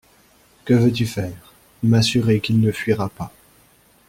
Que veux-tu faire ? M'assurer qu'il ne fuira pas.